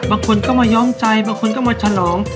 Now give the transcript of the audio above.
บางคนก็มาย้อมใจบางคนก็มาฉลอง